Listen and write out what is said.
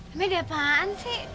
emang ada apaan sih